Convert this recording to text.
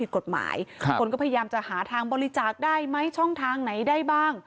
ขายอำ